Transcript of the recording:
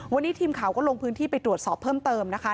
วันนี้ทีมข่าวก็ลงพื้นที่ไปตรวจสอบเพิ่มเติมนะคะ